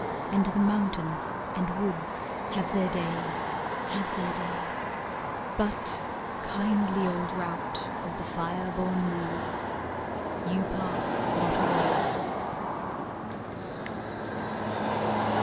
id the mountains and woods Have their day, have their day But, kindly old rout Of the fire born moods, You pass ?iot aiuay.